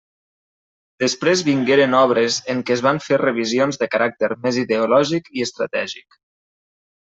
Després vingueren obres en què es van fer revisions de caràcter més ideològic i estratègic.